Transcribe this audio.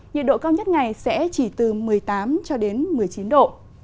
nhiệt độ cao nhất ngày sẽ chỉ từ một mươi tám một mươi chín độ